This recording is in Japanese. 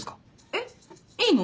えっいいの？